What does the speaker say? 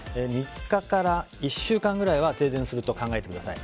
３日から１週間くらいは停電すると考えてください。